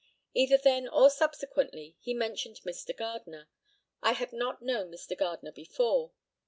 Either then or subsequently he mentioned Mr. Gardner. I had not known Mr. Gardner before.